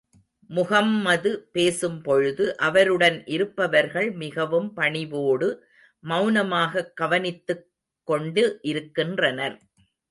முஹம்மது பேசும் பொழுது, அவருடன் இருப்பவர்கள் மிகவும் பணிவோடு மெளனமாகக் கவனித்துக் கொண்டு இருக்கின்றனர்.